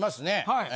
はい。